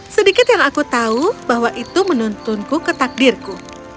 sedikit yang aku tahu bahwa itu menuntunku ke takdirku